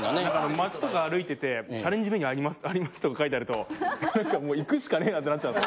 街とか歩いてて「チャレンジメニューあります」とか書いてあると何かもう行くしかねぇなってなっちゃうんで。